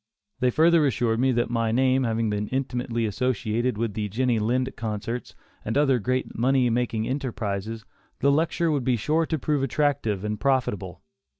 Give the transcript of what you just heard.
They further assured me that my name having been intimately associated with the Jenny Lind concerts and other great money making enterprises, the lecture would be sure to prove attractive and profitable.